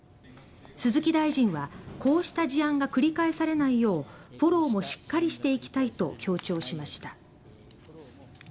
鈴木大臣は、こうした事案が繰り返されないようフォローもしっかりしていきたいと強調しました。